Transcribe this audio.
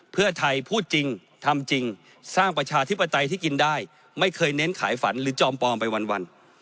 เพื่อไทยพูดจริงทำจริงสร้างประชาธิปไตยที่กินได้ไม่เคยเน้นขายฝันหรือจอมปลอมไปวัน